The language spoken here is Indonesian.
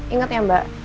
ingat ya mbak